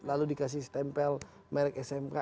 lalu dikasih tempel merk smk